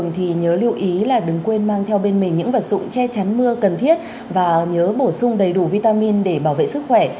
thì nhớ lưu ý là đừng quên mang theo bên mình những vật dụng che chắn mưa cần thiết và nhớ bổ sung đầy đủ vitamin để bảo vệ sức khỏe